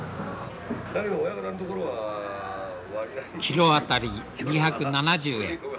キロ当たり２７０円。